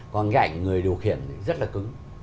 còn cái ảnh người điều khiển thì rất là cứng